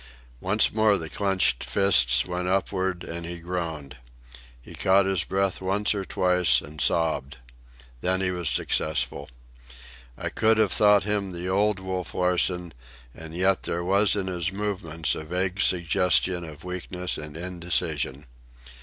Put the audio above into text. Once more the clenched fists went upward and he groaned. He caught his breath once or twice and sobbed. Then he was successful. I could have thought him the old Wolf Larsen, and yet there was in his movements a vague suggestion of weakness and indecision.